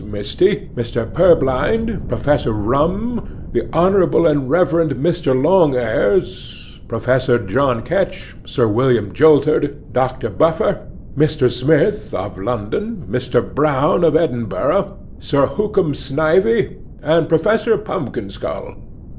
Misty, Mr. Purblind, Professor Rummun, The Honourable and Reverend Mr. Long Eers, Professor John Ketch, Sir William Joltered, Doctor Buffer, Mr. Smith (of London), Mr. Brown (of Edinburgh), Sir Hookham Snivey, and Professor Pumpkinskull.